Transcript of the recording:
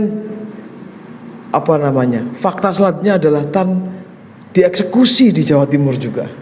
hai apa namanya fakta selatnya adalah tan dieksekusi di jawa timur juga